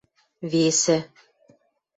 весӹ